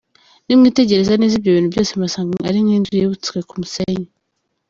Nimwitegereza neza ibyo bintu byose murasanga ari nk’inzu yubatswe ku musenyi!